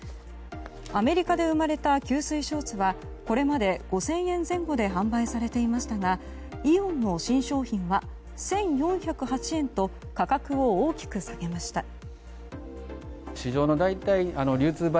アメリカで生まれた吸水ショーツはこれまで５０００円前後で販売されていましたがイオンの新商品は１４０８円と価格を大きく下げました。